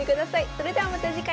それではまた次回。